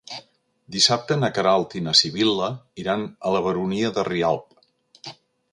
Dissabte na Queralt i na Sibil·la iran a la Baronia de Rialb.